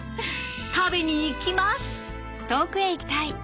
食べに行きます！